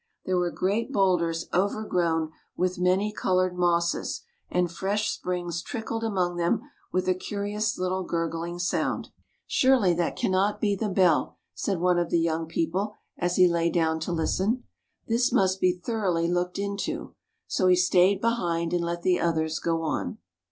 There were great boulders over grown with many coloured mosses, and fresh springs trickled among them with a curious little gurgling sound. " Surely that cannot be the bell! " said one of the young people, as he lay down to listen. " This must be thoroughly looked into." So he stayed behind and let the others go on.